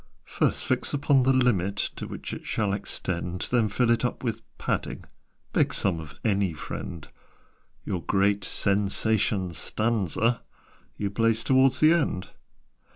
"First fix upon the limit To which it shall extend: Then fill it up with 'Padding' (Beg some of any friend): Your great SENSATION STANZA You place towards the end."